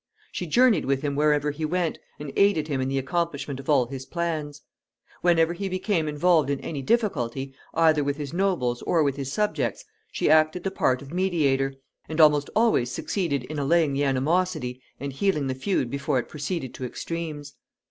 She journeyed with him wherever he went, and aided him in the accomplishment of all his plans. Whenever he became involved in any difficulty, either with his nobles or with his subjects, she acted the part of mediator, and almost always succeeded in allaying the animosity and healing the feud before it proceeded to extremes.